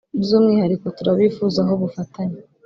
"By’umwihariko turabifuzaho ubufatanye